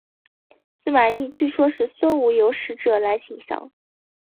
司马懿说是孙吴有使者来请降。